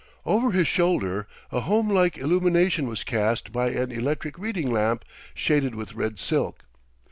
Over his shoulder a home like illumination was cast by an electric reading lamp shaded with red silk.